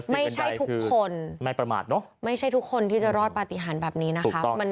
ไม่ใช่ทุกคนไม่ใช่ทุกคนที่จะรอดปฏิหารแบบนี้นะครับ